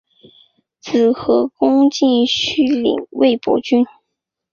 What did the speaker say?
子何弘敬续领魏博军。